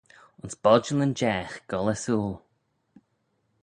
Ayns bodjallyn jaagh goll ersooyl.